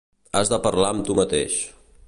Has de parlar amb tu mateix.